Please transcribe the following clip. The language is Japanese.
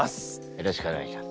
よろしくお願いします。